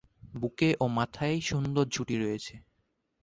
বুকে ও মাথায় সুন্দর ঝুঁটি রয়েছে।